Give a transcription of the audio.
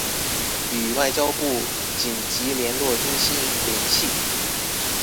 與外交部緊急聯絡中心聯繫